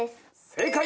正解。